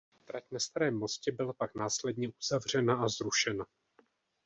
Trať na starém mostě byla pak následně uzavřena a zrušena.